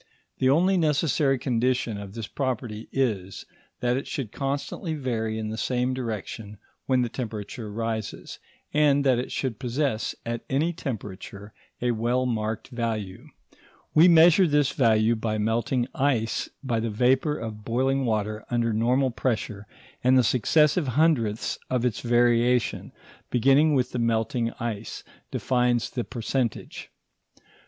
The only necessary condition of this property is, that it should constantly vary in the same direction when the temperature rises, and that it should possess, at any temperature, a well marked value. We measure this value by melting ice and by the vapour of boiling water under normal pressure, and the successive hundredths of its variation, beginning with the melting ice, defines the percentage.